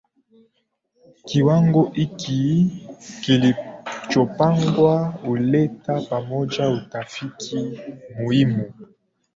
Kiwango hiki kilichopangwa huleta pamoja utafiti muhimu